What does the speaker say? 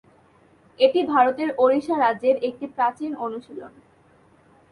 এটি ভারতের ওড়িশা রাজ্যের একটি প্রাচীন অনুশীলন।